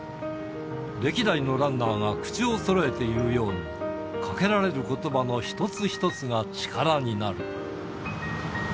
歴代のランナーが口をそろえて言うように、かけられることばの一つ一つが力になる。